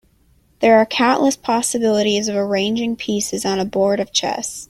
There are countless possibilities of arranging pieces on a board of chess.